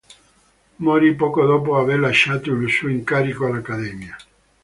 Morì poco dopo aver lasciato il suo incarico all'Accademia.